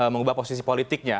mengubah posisi politiknya